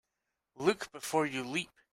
Look before you leap.